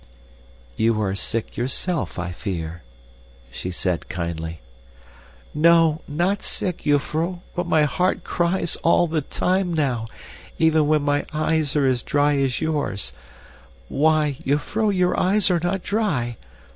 "You are sick, yourself, I fear," she said kindly. "No, not sick, jufvrouw, but my heart cries all the time now, even when my eyes are as dry as yours. Why, jufvrouw, your eyes are not dry!